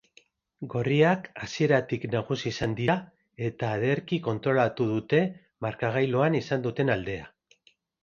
Gorriak hasieratik nagusi izan dira eta ederki kontrolatu dute markagailuan izan duten aldea.